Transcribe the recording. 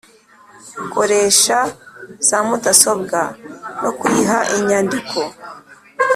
Bukoresha za mudasobwa no kuyiha inyandiko